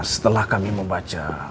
setelah kami membaca